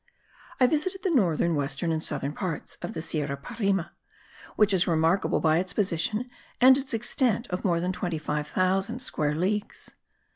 I visited the northern, western and southern parts of the Sierra Parime, which is remarkable by its position and its extent of more than 25,000 square leagues.